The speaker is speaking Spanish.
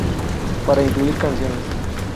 Para incluir canciones.